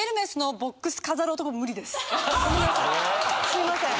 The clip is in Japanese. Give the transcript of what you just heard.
すいません。